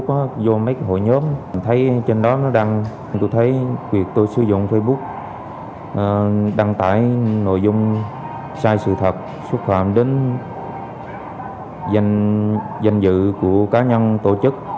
tôi thấy việc tôi sử dụng facebook đăng tải nội dung sai sự thật xúc phạm đến danh dự của cá nhân tổ chức